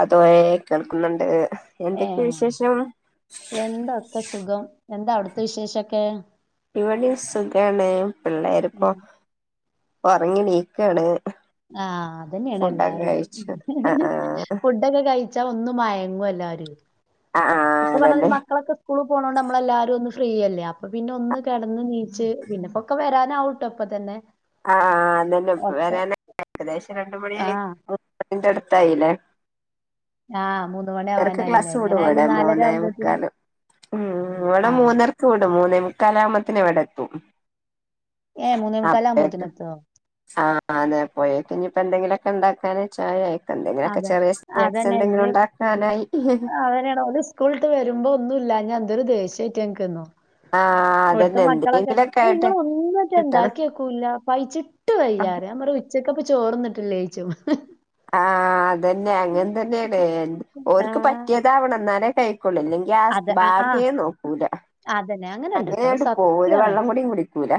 അതോ ഏഹ് കേൾക്കുന്നുണ്ട് എന്തൊക്കെ വിശേഷം ഒക്കെ സുഖം എന്താ അവിടുത്തെ വിശേഷൊക്കെ ഇവടിം സുഖാണ് പിള്ളേരിപ്പോ ഒറങ്ങി നീക്കാണ് ആഹ് അതന്നേണ് ഫുഡൊക്കെ എല്ലാരും കഴിച്ചു ആ ആ ഫുഡൊക്കെ കഴിച്ചാൽ ഒന്നു മയങ്ങു എല്ലാരുയ്. ആ ആ ഒക്കെ പറഞ്ഞാതിരി അതന്നെ മക്കളൊക്കെ സ്കൂള് പോണോണ്ട് നമ്മളെല്ലാരും ഒന്ന് ഫ്രീയല്ലേ അപ്പൊ പിന്നെ ഒന്ന് കെടന്ന് നീച്ച് പിന്നെപ്പം ഒക്കെ വരാനാവുട്ടൊ ഇപ്പ തന്നെ ആഹ് ആഹ്‌ ന്നന്നെ ഒക്കെ വരാന ഏകദേശം രണ്ട് മണിയായി ആഹ് മൂന്ന് മണിന്റെ അടുത്തായില്ലേ ആഹ് മൂന്ന് മണി എടക്ക് ആവാനായില്ലേ ക്ലാസ്സ് വിടോ എടെ എങ്ങനായാലും നാലര മോനായ ആവുമ്പോത്തിന് മുക്കാലും ഉം ഇവിടെ ആഹ് മൂന്നരക്ക് വിടും മൂന്നേ മുക്കാല് ആവുമ്പത്തിന് ഇവിടെ എത്തും ഏഹ് മൂന്നേ അപ്പെ മുക്കാലാവുമ്പോത്തിന് ആയിട്ട് എത്തോ ആഹ് അതെ പോയാൽക്ക് ഇനിയിപ്പോ എന്തെങ്കിലുക്കെ ഉണ്ടാക്കാന് ചായെ എന്തെങ്കിലൊക്കെ അതെ ചെറിയ സ്നാക്സ് എന്തെങ്കിലും ഉണ്ടാക്കാനായി അങ്ങനെയാണോ [unintelligible] ഇസ്ക്കൂള്ട്ട് വരുമ്പോ ഒന്നു ഇല്ലാഞ്ഞാ എന്തെരു ദേഷ്യ അയിറ്റങ്ങക്ക്ന്നോ ആഹ് അതന്നെ എന്തെങ്കിലു ഒക് അഹ് ഇങ്ങള് ഒന്നു അറ്റ ഇണ്ടാക്കി വക്കൂല്ല പഴിച്ചിട്ട് ആഹ് വയ്യാറിം നാമ്പറിം ഉ ഉച്ചക്കപ്പൊ ചോറിന്നിട്ടില്ലേ യ്ച്ചും ആഹ് അതന്നെ അങ്ങെൻ തന്നേണ്. എൻ ഓർക്ക് ആഹ് പറ്റിയതാവണം ഇന്നാലേ കഴിക്കൊളളൂ ഇല്ലെൻ ഗ്യാസ് അത് ആഹ് ആഹ് ബാഗേ നോക്കൂല അതന്നെ അങ്ങനെ ഇണ്ട്ട്ടോ അത് അങ്ങനേണ്ട് പോവും. ഒരു സത്യാണ് വള്ളം കൂടി കുടിക്കൂല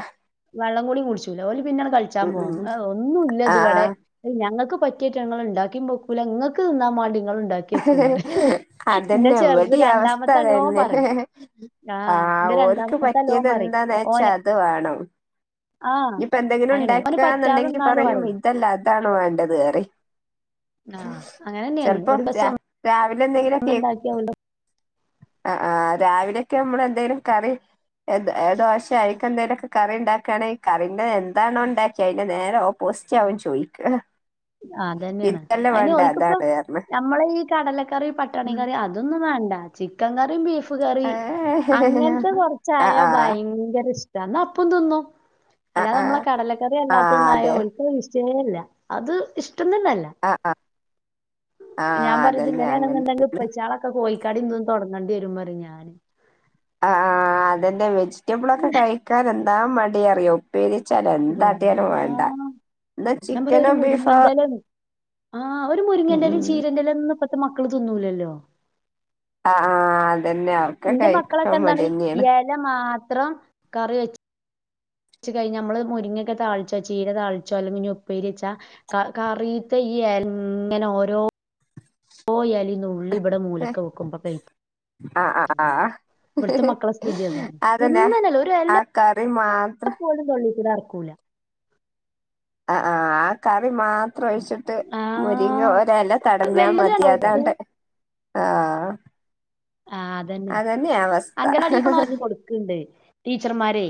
വെള്ളം കൂടി കുടിച്ചൂല ഓല് പിന്നാണ് കളിച്ചാൻ ഉം പോകും. ഉം അഹ് ഒന്നും ഇല്ല ഇത് ഇവടെ ആഹ് അഹ് ഞങ്ങക്ക് പറ്റിയറ്റെങ്ങള് ഇണ്ടാക്കിം വെക്കൂല ഇങ്ങക്ക് തിന്നാ മാണ്ടി ഇങ്ങള് ഇണ്ടാ അതന്നെ ഇവടീം അവസ് സ്ഥ രണ്ടാമത്തെ നല്ലോം അതന്നെ. പറയും ആഹ് ഇന്റെ ഓൽക്ക് രണ്ടാമത്തെ നല്ലോം പറ്റിയത് പറയും എന്താന്ന് വെച്ചാ ഓന് അത് വേണം ആഹ് ഇഞ്ഞ്പ്പോ എന്തെങ്കിലും അങ്ങനെയാണെ ഓന് പറ്റാതെ ഇണ്ടാക്കിയാന്നുണ്ടെങ്കി നിന്നാലും പറയും ഇതല്ല അതാണ് വേണ്ടത് അറിം ആഹ് അങ്ങനെന്നെയാണ് ഒരു ചെലപ്പം രാ ദിവസം രാവിലെ എന്തെങ്കിലു ഒക്കേ ഒന്നുണ്ടാക്കിയ ഓല് അഹ് ആഹ് രാവിലെയൊക്കെ നമ്മള് എന്തേലും കറി എന്ത് ഏഹ് ദോശെ അയിക്കെ എന്തേലും ഒക്കെ കറി ഉണ്ടാക്കാണെ കറിന്റെ എന്താണോ ഉണ്ടാക്കിയ അതിന്റെ നേരെ ഓപോസിറ്റ് അവൻ ചോയിക്ക അതന്നേണ് അയിന് ഓൽക്ക് ഇപ്പം അതാണ് പറഞ്ഞ് നമ്മളെ ഈ കടലക്കറി പട്ടാണിക്കറി അ അതൊന്നും വേണ്ട ചിക്കൻ കറിയും ബീഫ് പ്പ്കറി ആഹ് അങ്ങൻത്തെ ആഹ് കൊറച്ചായ ആഹ് ഭയങ്കര ഇഷ്ടാ ന്നാ അപ്പം തിന്നും അല്ലാതെ നമ്മളെ ആഹ് കടലക്കറി അല്ലാത്ത ആഹ് ഒന്നായ അതെ ഓൽക്ക് അത് വിഷയേ അല്ല അത് ഇഷ്ടം തന്നല്ല ആഹ് ആഹ് ഞാൻ ആഹ് പറിം ഇത് അതന്നെ അങ്ങനെ ഇങ്ങനെയാണെന്ന്ണ്ടെങ്കിൽ ഇപ്പച്ചിയേള ക്കെ കോഴിക്കടിം ഇതും തൊടങ്ങണ്ടി വരും പറിം ഞാന് അഹ് ആഹ് ആഹ് അതന്നെ വെജിറ്റബിളൊക്കെ കഴിക്കാൻ എന്താ മടി അറിയോ ഉപ്പേരി എച്ചാല് എന്താട്ടിയാലും വേണ്ട യാഹ്. ഇന്നാ ഞാൻ പറയും ഒരു ചിക്കനോ ബീഫോ മുരിങ്ങേന്റെ എല ആഹ് ഒര് ഉം മുരിങ്ങന്റലിം ചീര ന്റലിം ഒന്നും ഇപ്പത്തെ മക്കള് തിന്നൂലല്ലോ അഹ് ആഹ് അതന്നെ അവർക്ക് കഴിക്കാൻ മടി യന്നേണ് ല മാത്രം കറി വെച്ച് വച്ച് കഴഞ്ഞാ നമ്മള് മുരിങ്ങക്കെ താളിച്ചോ ചീര താളിച്ചോ അല്ലെങ്കി ഇഞ്ഞ് ഉപ്പേരി എച്ചാ ക കറീത്തെ ഈ എങ്ങനൊരോ ഓരോ എലിം നുള്ളിവടെ മൂലെക്കെ വെക്കും [unintelligible] ആഹ് ആഹ് പ്ലേറ്റിലിണ്ട് ആഹ് ഇവിടുത്തെ മക്കളെ സ്ഥിതി അതാണ് അതന്നെ തിന്നന്നല്ല ആ കറി മാത്രം തൊള്ളീകൂടെ എറക്കൂല ആഹ് ആഹ് ആ കറി മാത്രം ഒഴിച്ചൊ ട്ട് മുരിങ്ങ ആഹ് ഒരെല തടഞ്ഞാ വെല്ല്യോല് മതി രണ്ടാളും അതാണ്ട് ആഹ് ആഹ് അതന്നെ അങ്കലവാടിന്ന് ഓല് കൊടുക്ക്ണ്ട് ടീച്ചർമാരെ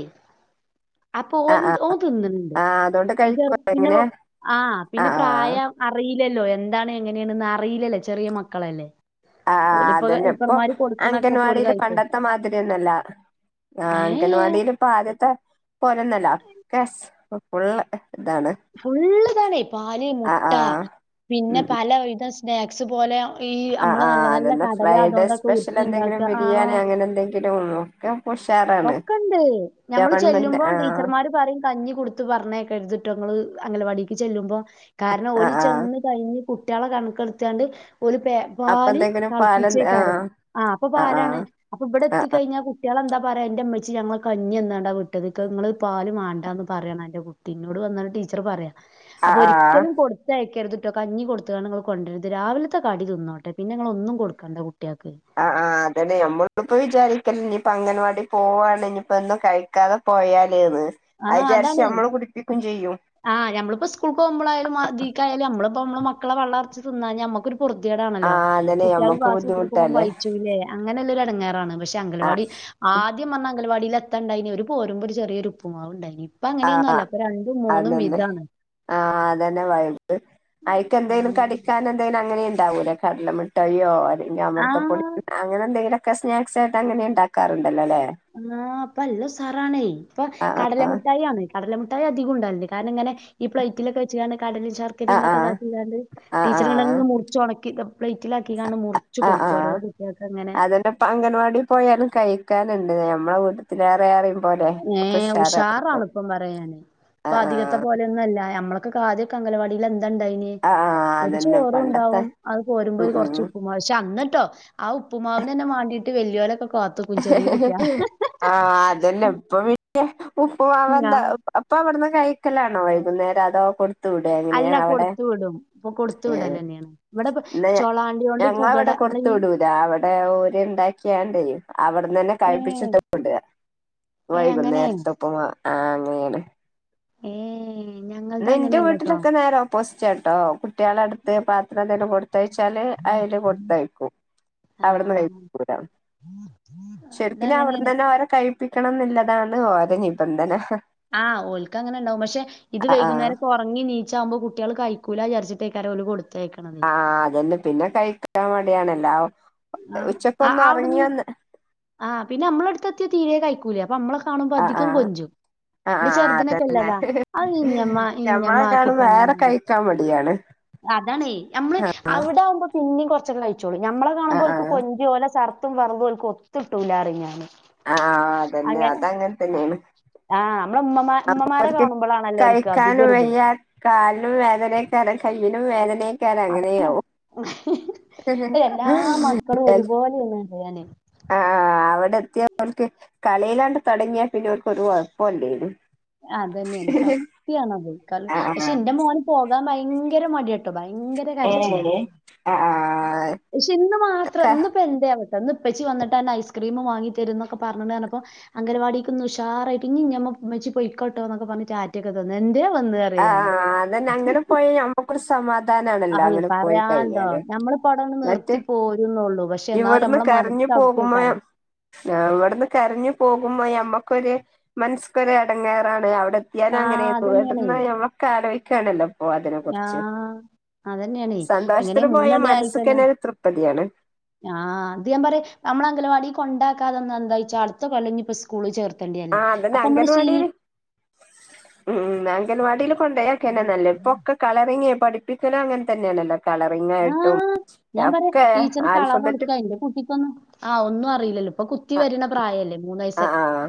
അപ്പൊ ആ ഓൽ ആ ഓൻ തിന്ന്ന്ണ്ട് ആ അതുകൊണ്ട് പിന്നെ കഴിക്കോ എങ്ങനെ ചെറുതിനപ്പൊ ആഹ് പിന്നെ ആ പിന്നെ ആ പ്രായം അറീല്ലല്ലോ എന്താണ് എങ്ങനെണെന്ന് അറീല്ലല്ലേ ചെറിയ മക്കളല്ലേ ആഹ് ആഹ് ഓലിപ്പോ അതന്നെ ഇപ്പൊ ഹെൽപ്പർമാര് കൊടുക്കണൊക്കെ ഓല് അങ്കൻവാടിയില് കഴിക്കും പണ്ടത്തെ മാതിരിയൊന്നല്ല ആഹ് ഏഹ് അങ്കലവാടില് ഇതിപ്പ ആദ്യത്തെ പോലന്നല്ല സെ ഫുൾ ഇതാണ്. ഫുള്ള്താണെ പാല് ആ മുട്ട ആ പിന്നെ ഉം പല വിത സ്നാക്സ് പോലെ ഈ ആഹ് അമ്മളെ ആഹ് നല്ല നല്ല അതന്നെ കടല ഫ്രൈഡേ അതോണ്ടൊക്കെ ഉരുട്ടി ഇണ്ടാക്ക ആഹ് [unintelligible] ഒള്ളു ഓൻ ഇപ്പൊ ഉഷാറാ ഒക്കണ്ട് ഞമ്മള് ചെല്ലുമ്പോ ആഹ് ടീച്ചർമാര് പറിം കഞ്ഞി കൊട്ത്ത് പറഞ്ഞേക്കരുത്ട്ടോ ഇങ്ങള് അംഗലവാടിക്ക് ചെല്ലുമ്പോ കാരണം ഓല് ആഹ് ആഹ് ചെന്ന് കഴിഞ്ഞ് കുട്ടിയേളെ കണക്കെടുത്താണ്ട് ഒല് പെ അപ്പൊ പാല് എന്തെങ്കിലും പാലം ആഹ് തളപ്പിച്ചേക്കാരം ആഹ് അപ്പ പാലാണ് അപ്പ ഇവടെ ആഹ് എത്തിക്കഴിഞ്ഞാ കുട്ടിയേളെന്താ പറയാ ഇന്റെ ഇമ്മച്ചി ഞങ്ങളെ കഞ്ഞി തന്നാണ്ടാ വിട്ടത് ഇന്ക് ഇങ്ങള് പാല് മാണ്ടാന്ന് പറയണന്റെ കു ഇന്നോട് വന്നാണ്ട് ടീച്ചറ് പറയാ, ആഹ് അപ്പൊ ആഹ് ആഹ് ഒരിക്കലും കൊട് കൊടുത്തയക്കരുത്ട്ടോ കഞ്ഞി കൊട്ത്ത്കാണ്ട് ഇങ്ങള് കൊണ്ടരത് രാവിലത്തെ കടി തിന്നോട്ടെ പിന്നെ നിങ്ങള് ഒന്നും കൊടുക്കണ്ട കുട്ടിയേൾക്ക് ആഹ് ആഹ് അതെന്നെ നമ്മള്പ്പ വിചാരിക്കല്ലേ ഇനിയിപ്പ അംഗലവാടി പോവാണ് ഇന്ന്പ്പ ഒന്നും കഴി ക്കാതെ പോയാല്ന്ന് അത് ആഹ് വിചാരിച്ച് അതാണെ നമ്മള് കുടിപ്പിക്കും ചെയ്യും ആഹ് നമ്മള്പ്പോ സ്കൂൾക്കൊകുമ്പളായാലും ഇതിക്കായാലും നമ്മള്പ്പം നമ്മളെ മക്കളെ പള്ളർച്ച് തിന്നാന നമ്മക്കൊര് പൊ പൊർതിയേടാണല്ലോ ആഹ് അതന്നെ കുട്ടിയാൾക്ക് നമ്മക്ക് ക്ലാസ്സ്ട്ക്കുമ്പം ബുദ്ധിമുട്ടല്ലേ പയിച്ചൂല്ലേ അങ്ങനെല്ലൊരു എടങ്ങാറാണ് പക്ഷെ ആഹ് അങ്കലവാടി, ആദ്യം വന്ന അങ്കലവാടില് എത്താണ്ടായിനെ ഒര് പോരുമ്പോ ഒരു ചെറിയൊരു ഉപ്പുമാവുണ്ടായിനി. ഇപ്പങ്ങനെയൊന്നല്ല ഇപ്പ രണ്ടും മൂന്നും അതന്നെ വിതാണ്. ആഹ് അതന്നെ വൈബ് അയിക്കെന്തേലും ആഹ് കടിക്കാനെന്തേലും അങ്ങനിം ഇണ്ടാവൂലെ കടല മിഠായോ അല്ലെങ്കി ആഹ് അമൃതപ്പൊടി അങ്ങനെ എന്തെങ്കിലൊക്കെ സ്നാക്സ് ആയിട്ട് അങ്ങനെ ഇണ്ടാക്കാറുണ്ടല്ലോ ല്ലേ ആഹ് ഇപ്പ നല്ല ഉസാറാണേ ഇപ്പ ആഹ് കടല മിഠായാണ്. കടല മുട്ടായി അധികും ഇണ്ടാവല്ണ്ട് കാരണം ഇങ്ങനെ ഈ പ്ലൈറ്റിലൊക്കെ വെച്ച് കാണ്ട് കടലിം ശർക്കരിം ആഹ് ഇതൊക്കെ ആഹ് ഇതാക്കികാണ്ട് ആഹ് ആഹ് ടീച്ചറിങ്ങനെ മുറിച്ചൊണക്കി പ്ലൈറ്റിലാക്കികാണ്ട് മുറിച്ചു ആഹ് ആഹ് കൊടുക്കും ഒരോ ആഹ് കുട്ടികൾക്ക്ങ്ങനെ അതന്നെ ഇപ്പ അംഗലവാടി പോയാലും കൈക്കാന്ണ്ട് ഞമ്മളെ വീട്ട്ത്തെലേറേ ഏഹ് ഉഷാറാണ് ഇപ്പം പറയാ ഞാന് ആഹ് ഇപ്പധിക ഇപ്പത്തെ പോലൊന്നല്ല നമ്മൾക്കൊക്കെ ആദ്യക്കെ അഗലവാടിയില് എന്ത ഇണ്ടായിനെ ആഹ് ആഹ് ആഹ് ഒരു അതന്നെ പണ്ടത്തെ ചോറുണ്ടാവും അത് പോരുമ്പോ ഉം ഒര് കൊറച്ച് ഉം ഉപ്പു പക്ഷെ അന്നട്ടോ ആ ഉപ്പുമാവിനെന്നെ മാണ്ടിയിട്ട് വല്ല്യോലൊക്കെ കാത്ത്ക്കും ചെറിയ കുട്ടിയാ ആഹ് അതെ. ഇല്ല ഇപ്പ പിന്നെ ഞാൻ ഉപ്പ്മാവന്താ അപ്പ അവ്ട്ന്ന് കഴിക്കലാണോ വൈകുന്നേരം അതോ കൊട്ത്ത് ത്ത് വിടായിരുന്നു ലെ അല്ല അവടെ കൊടുത്തു വിടും ഇപ്പൊ കൊടുത്തു ഏ വിടലെന്നെയാണ് ഇവിടെ പ- പിന്നെ ചൊളാണ്ടി കൊണ്ട് പുകട ഞങ്ങളവിടെ നമ്മളെ കൊടുത്തു ഈ വിടൂല അവിടെ ഓല്ണ്ടാക്കി ണ്ടനി അവിടന്ന് തന്നെ ഏ കഴിപ്പിച്ചിട്ട് വിട ഏ അങ്ങനെ വൈകുന്നേരതും ഉപ്പുമാവ് ആഹ് അങ്ങനെയാണ് ഏ ഞങ്ങൾത് ഇന്ന് എന്റെ അങ്ങനെയല്ലട്ടോ വീട്ടിലൊക്കെ നേരെ ഓപ്പോസിറ്റട്ടോ കുട്ടികള അടുത്ത് പത്രം എന്തേലും കൊടുത്ത് കൊടത്തയച്ചാല് അതില് കൊടുത്തയക്കും അവിടുന്ന് ആഹ് കയിക്കൂല ശരിക്കിനും അവിടുന്ന് ഇതങ്ങനെയാണ് തന്നെ ഓലെ കഴിപ്പിക്കണം എന്നുള്ളതാണ് ഓല നിബന്ധന ആ ഹ് ഓൽക്കങ്ങനെ ഉണ്ടാവും പക്ഷെ ഇത് ആഹ് ആഹ് വൈകുന്നേരം ഉറങ്ങി നീച്ചവ്മ്പോ കുട്ടികൾ കയിക്കൂല വിചാരിച്ചിട്ടേക്കര ഓല് കൊടുത്ത് ആഹ് അതന്നെ പിന്നെ കഴിക്കാൻ മടിയണല്ലോ ഉച്ചക്കൊന്നും ഒറങ്ങി ഒന്ന് ആഹ്പിന്നെ നമ്മള അടുത്തെത്തിയ തീരയ കഴിക്കൂലേ അപ്പൊ നമ്മളെ കാണുമ്പോ ആഹ് അധികം ആഹ് കൊഞ്ചും ആഹ് എൻ്റെ ആഹ് അതന്നെ ചെറുദിനൊക്കെല്ലതാ അത് ഇഞ്ഞമ്മ ഇഞ്ഞമ്മ ആക്കി ഞമ്മളെക്കാളും തന്നാ വേറെ മതി കഴിക്കാൻ മടിയാണ് അതാണേ ഞമ്മള് ആഹ് അവിടെ ആകുമ്പോ പിന്നേ കുറച്ചക്ക കൈച്ചോളൂ ഞമ്മളെ കാണുമ്പോ ആഹ് ആഹ് ഓല് സർത്തും ഫർളും ഒത്തിട്ടൂല്ലാന്ന് പറയും ഞാന് ആഹ് അതന്നെ അങ്ങനെ അതങ്ങനെ തന്നെയാണ് ആഹ് നമ്മളെ ഉമ്മമാ അപ്പോ ഉമ്മമാരെ അവക്ക് കാണുമ്പളാണല്ലോ ഓൽക്ക് കൈക്കാനും അധികൊരിത് വയ്യ കാലിനും വേദനയക്കൊര കയ്യനും വേദനയൊക്കൊര അങ്ങനെയാവോ എല്ലാ മക്കളും ഒരുപോലെ തന്ന ചെയ്യാനേ ആഹ് അവിടെ എത്തിയ അവർക്ക് കളിയിലാണ്ട് തുടങ്ങിയാ പിന്നെ അവർക്ക് ഒരു കുഴപ്പല്ലേലു അത് തന്നെയാണ് സത്യണ അത് ക ആഹ് പക്ഷെ എന്റെ മോന് പോകാൻ ഭയങ്കര മടിയണ് ഭയങ്കര ആഹ് കരച്ചില്ല ഏഹ് ആഹ് ആഹ് പക്ഷെ ഇന്ന് മാത്രം ക ഇന്നപ്പോ എന്ത അന്ന് ഉപ്പച്ചി വന്നിട്ട്ന്ന ഐസ്ക്രീമും വാങ്ങി തരും എന്നൊക്കെ പറഞ്ഞിനപ്പം അംഗനവാടിക്ക് ഉഷാറായിട്ട് ഇനി ഞമ്മ മെച്ചി പോയിക്കോട്ടോ എന്നൊക്കെ പറഞ്ഞിട്ട് ടാറ്റ റ്റക്കെ തന്നു എന്തെ വന്ന് അറിയാന് ആഹ് അതന്നെ അങ്ങനെ പോയാ ഞമ്മക്കൊരു സമാധാനാണല്ലോ അത് അങ്ങനെ പോയി പറയാണ്ടോ കഴിഞ്ഞാല് ഞമ്മൾഅവ ടന്ന് മറ്റേ നിർത്തി പോരന്നള്ളു പക്ഷെ പക്ഷെ എന്നാലും നമ്മെ മനസ്സ് അവിടെക്കക്കരാം അവിടെന്ന് കരഞ്ഞു പോകുമ്പോ നമ്മക്കൊരു മനസ്സക്കൊരു എടങ്ങേറാണ് അവിടെ ഞാന ആ അങ്ങനെയ അതന്നെയാണ് ഇവിടന്ന് ഞമ്മൊക്കെ ആലോചിക്കാണല്ലോ ആഹ് അതന്നെയണെ എങ്ങനെയ സന്തോഷത്തിന് പോയാ മൂന്നര ആയിക്കയ്ഞ്ഞാ മനസ്സ്ക്കന്നെ ഒരു തൃപ്തിയാണ് ആഹ് അത് ഞാൻ പറയാ നമ്മള അംഗലവാടി കൊണ്ടാക്കാതെന്ന എന്താ വച്ചാ അടുത്ത കൊല്ലഞ്ഞിപ്പ സ്കൂള് ചേർത്തണ്ട ഞാന് ആഹ് അതന്നെ അപ്പൊ നമ്മള് ശീ അംഗൻവാടിയില് ഉം അങ്കൻവാടിൽ കൊണ്ടോക്കന്നെ നല്ലേ ഇപ്പൊ ഒക്കെ കളറിങ്ങ് പഠപ്പിക്കലോ അങ്ങനെ തന്നെയാണല്ലോ കളറിംഗ് ആ ആയിട്ടും ഞാൻ പറയാ ഒക്കെ ടീച്ചർ ആൽഫ കളർ കൊടുക്ക ബെറ്റിക് എന്റെ കുട്ടിക്കൊന്നും ആ ഒന്നും അറില്ലോ ഇപ്പ കുത്തി വരണ പ്രായല്ലേ മൂന്ന് വയ ആഹ് ആഹ്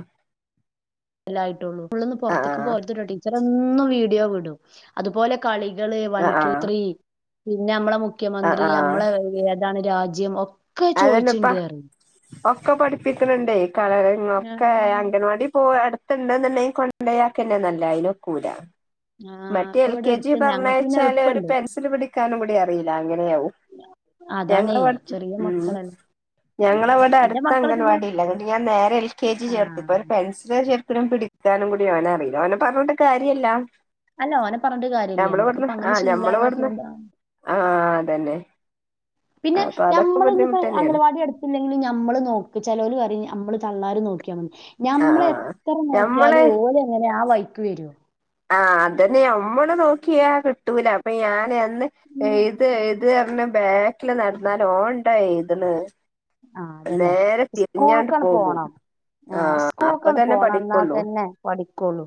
സായിട്ടുള്ളു പുള്ളൊന്നും ആഹ് പുറത്തേക്ക് പോത്തട്ടോ ടീച്ചർ എന്നും വീഡിയോ വിടും അതുപോലെ കളികള് വൺ ആഹ് ആഹ് ടു ത്രീ ആഹ് പിന്നെ നമ്മളെ മുഖ്യമന്ത്രി ആഹ് നമ്മളെ ഇതാണ് രാജ്യം ഒക്കെ അതന്നെ ഇപ്പ ചോദിച്ചിണ്ട് പറയും ഒക്കെ പഠിപ്പിക്കുന്നുണ്ടേ കളറിംഗ് ഒക്കെ ആഹ് അംഗൻവാടി പോ യിട്ടുണ്ട് എന്നുണ്ടെങ്കിൽ കൊണ്ടയാക്കന്നെ നല്ലത് അതിനൊക്കൂല ആഹ് മറ്റേ ഇപ്പൊ എൽ ഇവിടെ കെ ജി അടുത്ത് ഞങ്ങൾക്ക് പിന്നെ പറഞ്ഞച്ചാല് ഒരു എളുപ്പണ്ട് പെൻസിൽ പിടിക്കാനും കൂടി അറിയില്ല അങ്ങനെയാവും ഞങ്ങടെ അതാണേ അവടത്തെ ചെറിയ ഉം മക്കളല്ലേ ഞങ്ങള അവിടെ എന്റെ അടുത്ത മക്കള് പിന്നെ അൻവാടിയില്ല അങ്ങിട്ട ഞൻ നേരെ എൽ കെ ജി ചേർത്ത് ആഹ് ഇപ്പൊ ഒരു പെൻസിലർ ചേർക്ക പിടി ക്കാനും കൂടി അവന അറിയില്ല അവനെ പറഞ്ഞിട്ട് കാര്യല്ലാ അല്ല ഓനെ പറഞ്ഞിട്ടു കാര്യല്ല നമ്മക്കിപ്പ ആ അങ്ങനെ ഞമ്മള് ശീലാവാത്ത ഇവിടുന്ന് കൊണ്ടാണ് ആ അതന്നെ പിന്നെ അപ്പൊ അതൊക്കെ ഞമ്മൾ ഇനിപ്പോ ബുദ്ധിമുട്ട് തന്നെയാണ് അംഗൽവാടി എടു ഇല്ലെങ്കില നമ്മള് നോ ചിലര് പറ നമ്മള് തള്ളാർ നോക്കാൽ ആ ഞമ്മള ആ എത്ര ഞമ്മള് നോക്കിയാലും ഓര എങ്ങനെ ആഹ വൈക്ക് വരു ആഹ അതന്നെ നമ്മള് നോക്കിയാ കിട്ടൂല അപ്പൊ ഞാൻ അന്ന് ഉം ഇത് ഇത് പറഞ്ഞ ബാക്കില് നടന്നാല ഓണ്ടായി ഇതിന് ആഹ് അതന്നെ നേരെ തിരിഞ്ഞാണ്ട് സ്കൂൾക്കാണ് പോകും പോണം ആഹ് ആഹ അപ്പൊ സ്കൂൾക്കാണ് തന്നെ പോണം എന്നാ പഠിക്കള്ളൂ തന്നെ പഠിക്കുള്ളൂ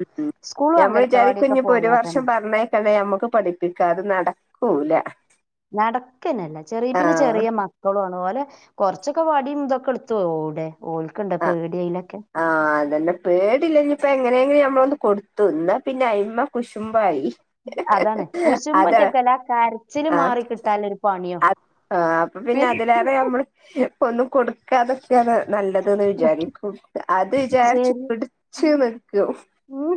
സ്കൂളും ഞമ്മൾ അംഗലവാടിയൊക്കെ വിചാരിക്കുഞ്ഞിപ്പോ ഒരു പോയാ വർഷം തന്നെ പറഞ്ഞേക്കണേ ഞമ്മക്ക് പഠിപ്പിക്കാ അത് നടക്കൂല നടക്കനല്ല ചെറിയ പിന്നെ ആഹ് ചെറിയ മ [unintelligible] പോലെ കുറച്ചൊക്കെ വടിയും ഇതൊക്കെ എടുത്തു ഓവിടെ ഓൽക്കണ്ട ആഹ് പേടിയലൊക്കെ ആഹ് അതന്നെ പേടില്ലനി ഇപ്പ എങ്ങനെ എങ്ങനെ മ്മളൊന്ന് കൊടുത്തുന്നാ പിന്നെ അയിമ്മ കുശുമ്പായി അതാണ് അതെ പൂശുമ്പറ്റൊക്കല്ല കരച്ചില് മാറി കിട്ടൽ ഒരു പണിയോ ആഹ അപ്പൊ പിന്നെ പി- അതിലേറെ നമ്മള് ഒന്നും കൊടുക്കാതൊക്കെയാണ് നല്ലത് അതന്ന് വിചാരിക്ക അത് വിചാരിച്ചു ശരി പിടച്ചു നിൽക്കും ഉം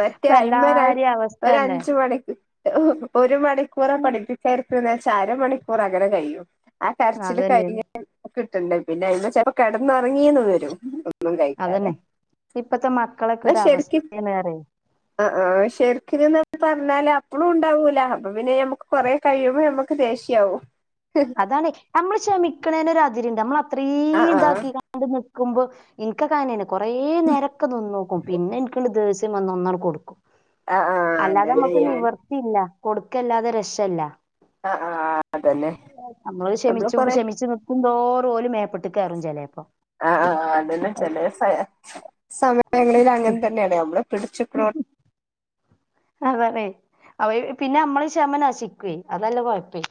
മറ്റേ ഇപ്പ അഐമര എല്ലാരേം അവസ്ഥ ഒരു തന്നെ അഞ്ചു മണിക്ക് ഒരു മണിക്കൂറ പഠിപ്പ ചരക്കന്ന് വെച്ചാ അരമണിക്കൂർ അങ്ങനെ കഴിയും ആഹ അതന്നെയാണ് കരച്ചിൽ അതന്നെ കഴിഞ് കിട്ടണ്ടണ്ട് പിന്നെ അതി ചെപ്പോ കിടന്ന ഇറങ്ങിയന്ന് വരും ഒന്നും കഴിക്കാതെ അതന്നെ ഇപ്പത്തെ മക്കളൊക്കെ ഒരവസ്തേണ് ആഹ ആഹ ശെര്ക്കിന്ന്ന് പർഞ്ഞാല് അപ്പളൂണ്ടാവൂല അപ്പൊ പിന്നെ ഞമ്മക്ക് കൊറെ കയ്യുമ്പോ നമ്മക്ക് ദേഷ്യാവും അതാണ് നമ്മള് ക്ഷമിക്ക്ണേന് ഒരതിര്ണ്ട് ആഹ് നമ്മളത്രീം ആഹ് താക്കിങ്ങാണ്ട് നിക്കുമ്പോ ഇന്ക്കക്കങ്ങനേണ് കൊറേ നേരക്കെ നിന്നോക്കും പിന്നെനിക്കണ്ട് ദേസ്യം വന്നൊന്നണ് കൊടുക്കും ആഹ് ആഹ് അല്ലാതെ അതന്നെ അമ്മക്ക് ഞാൻ നിവർത്തില്ല കൊട്ക്കല്ലാതെ രക്ഷല്ല ആഹ ആഹ് ആഹ അതന്നെ നമ്മള് ക്ഷമിച്ചും ക്ഷമിച്ചു നിക്കുന്തോറും ഓല് മേപ്പട്ട് കേറും ചെലേപ്പം ആഹ അഹ അതന്നെ ചെലേ സമയങ്ങളിൽ അങ്ങൻ തന്നേണ് നമ്മള് പിടിച്ച് അതണേയ് അവ പിന്നെ നമ്മളീ ക്ഷമ നശിക്കുയ് അതാള്ള കൊഴപ്പേയ്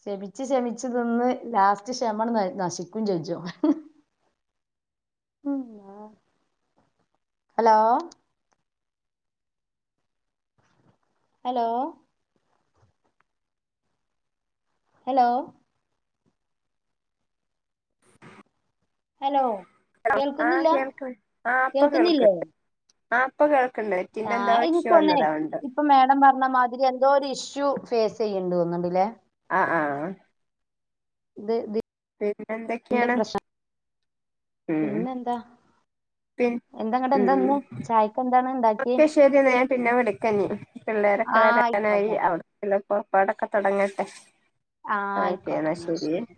ക്ഷമിച്ച് ക്ഷമിച്ച് നിന്ന് ലാസ്റ്റ് ക്ഷമണ്ണ് നശിക്കും ചെജ്ജും [inaudible] അലോ അലോ അലോ ഹലോ ആഹ കേൾക്കുന്നില്ല കേൾക്ക ആഹ പ്പ കേൾക്കുന്നില്ലേ കേൾക്കണ്ട് ആഹ പ്പ കേൾക്കണ്ട് പിന്നെന്താ [unintelligible] പ്പൊ മാേഡം പറഞ്ഞ മാതിരി എന്തോ ഒരു ഇഷ്യൂ ഫേസ് ചെയ്യ്ണ്ടോന്നോന്ന്ണ്ട്ല്ലേ ആഹ് ആഹ് [unintelligible] ഇതിന്റെ പിന്നെന്തൊക്കെണ് പ്രശ്നം പിന്നെന്താ പി എന്താങ്ങട്ട് എന്താ ഉം ഇന്ന് ചായക്ക് എന്താണ് ഇണ്ടാക്കിയേ ക്കെ ശരിയെന്ന ഞാൻ പിന്നെ വിളിക്കഞ്ഞി പിള്ളേരൊക്കെ ആഹ് വരാനായി ആയിക്കോട്ടെ അവർക്ക്ള്ള പുറപ്പാടൊക്കെ തുടങ്ങട്ടെ ആഹ ഓക്കെ ആയിക്കോട്ടെ എന്നാ ന്നാ ശരി